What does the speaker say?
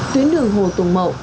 tuyến đường hồ tùng mậu